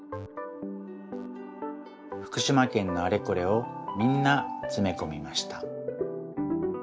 福島県のあれこれをみんなつめこみました。